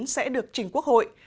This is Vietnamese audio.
sẽ được chính quốc hội